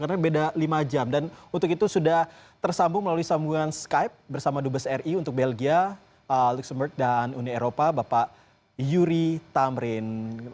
karena beda lima jam dan untuk itu sudah tersambung melalui sambungan skype bersama dubes ri untuk belgia luxembourg dan uni eropa bapak yuri tamrin